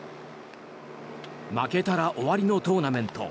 負けたら終わりのトーナメント。